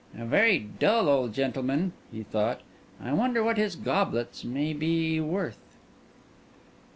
"A very dull old gentleman," he thought. "I wonder what his goblets may be worth."